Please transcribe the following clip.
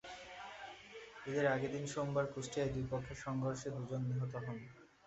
ঈদের আগের দিন সোমবার কুষ্টিয়ায় দুই পক্ষের সংঘর্ষে দুজন নিহত হন।